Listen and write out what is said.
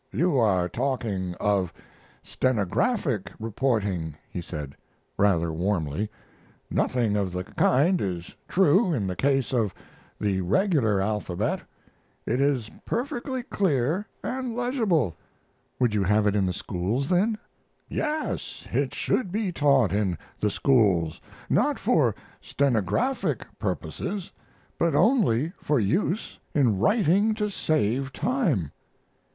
"You are talking of stenographic reporting," he said, rather warmly. "Nothing of the kind is true in the case of the regular alphabet. It is perfectly clear and legible." "Would you have it in the schools, then?" "Yes, it should be taught in the schools, not for stenographic purposes, but only for use in writing to save time."